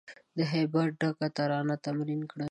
د هیبت ډکه ترانه تمرین کړی